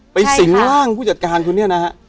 ไปสิงร่างผู้จัดการคุณเนี่ยนะ